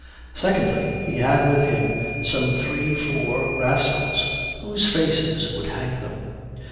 Secondly, he had with him some three four rascals whose faces would hang them.